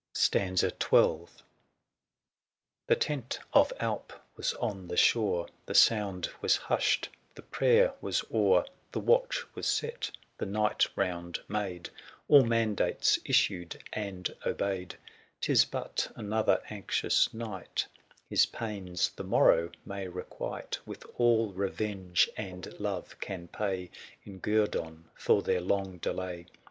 The tent of Alp was on the shore; The sound was hushed, the prayer was o'er ; 240 The watch was set, the night round made, All mandates issued and obeyed : 'Tis but another anxious night, His pains the morrow may requite With all revenge and love can pay, 245 In guerdon for their long delay.